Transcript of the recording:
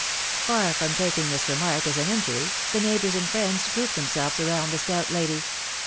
" Far from taking this remark as an injury, the neighbors and friends grouped themselves around the stout lady.